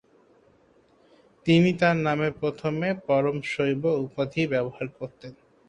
তিনি তার নামের প্রথমে পরম শৈব উপাধি ব্যবহার করতেন।